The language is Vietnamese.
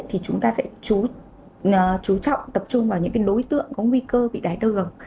thì chúng ta sẽ chú trọng tập trung vào những đối tượng có nguy cơ bị đáy đường